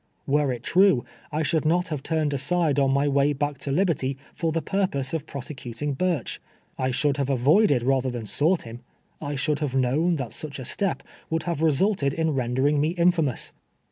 Were it true, I should not have turned aside on my way back to liberty for the purpose of prosecuting Burch. I should have avoided rather than sought him. I should have known that such a step would have re sulted in rendering me infamous.